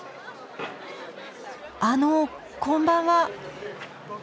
あのこんばんは。